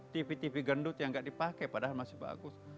tv tv gendut yang nggak dipakai padahal masih bagus